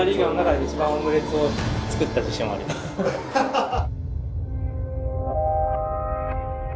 ハハハハ。